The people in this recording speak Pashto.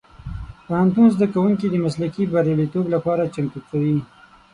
پوهنتون زدهکوونکي د مسلکي بریالیتوب لپاره چمتو کوي.